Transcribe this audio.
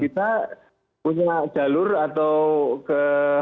kita punya jalur atau ke